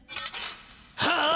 はあ！